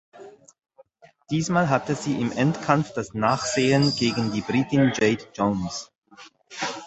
Diesmal hatte sie im Endkampf das Nachsehen gegen die Britin Jade Jones.